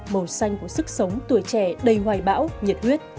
màu xanh của sức sống tuổi trẻ đầy hoài bão nhiệt huyết